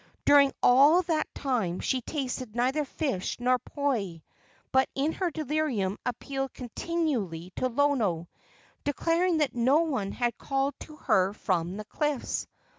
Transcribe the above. During all that time she tasted neither fish nor poi, but in her delirium appealed continually to Lono, declaring that no one had called to her from the cliffs.